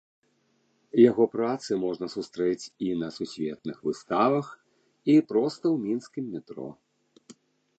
Яго працы можна сустрэць і на сусветных выставах, і проста ў мінскім метро.